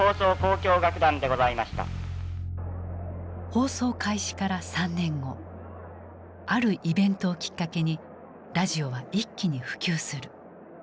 放送開始から３年後あるイベントをきっかけにラジオは一気に普及する。